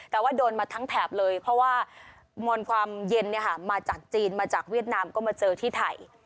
แต่ว่าโดนมาทั้งแถบเลยเพราะว่ามวลความเย็นมาจากจีนมาจากเวียดนามก็มาเจอที่ไทย